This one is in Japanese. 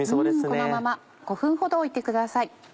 このまま５分ほどおいてください。